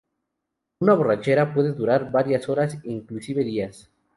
Una borrachera puede durar varias horas, inclusive días.